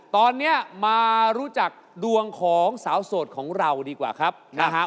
ตอนนี้มารู้จักดวงของสาวโสดของเราดีกว่าครับนะฮะ